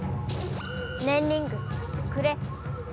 ねんリングくれ。